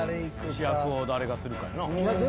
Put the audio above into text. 主役を誰がするかやな。